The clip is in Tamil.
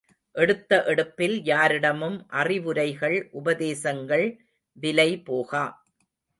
எடுத்த எடுப்பில் யாரிடமும் அறிவுரைகள் உப தேசங்கள் விலைபோகா.